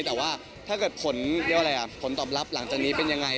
แต่ว่าถ้าเกิดผลตอบรับหลังจากนี้เป็นยังไง